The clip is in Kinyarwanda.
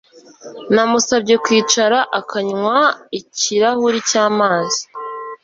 Namusabye kwicara akanywa ikirahuri cy'amazi.